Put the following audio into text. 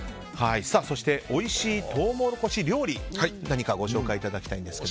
そしておいしいトウモロコシ料理を何かご紹介いただきたいんですが。